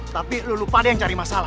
tapi lu lupa ada yang nyari masalah